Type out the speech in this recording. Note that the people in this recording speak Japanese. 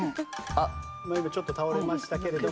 今ちょっと倒れましたけれども。